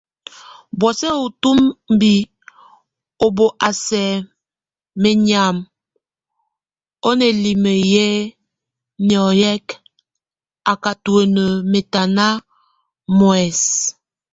Buɔsi ótumbi o bó a sa menyam ɔn elime ye nɔ́yek a katuene metaná muɔsɛ́.